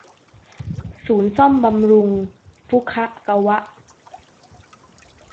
ศูนย์ซ่อมบำรุงฟุคะกะวะ